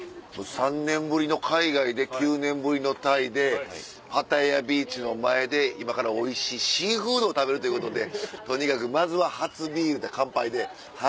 ３年ぶりの海外で９年ぶりのタイでパタヤビーチの前で今からおいしいシーフードを食べるということでとにかくまずは初ビールで乾杯ではい。